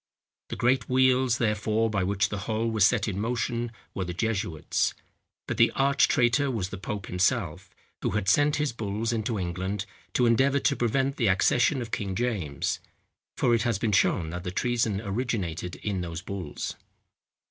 The great wheels, therefore, by which the whole was set in motion, were the jesuits; but the arch traitor was the pope himself, who had sent his bulls into England, to endeavour to prevent the accession of King James; for it has been shown that the treason originated in those bulls.